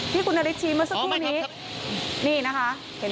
นี่คุณนฤทธิ์ชี้เมื่อสักครู่นี้นี่นะคะเห็นไหมคะค่ะอ๋อไม่ครับ